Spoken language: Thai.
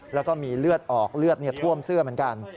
แล้วก็มีเลือดออกเลือดท่วมเสื้อเหมือนกัน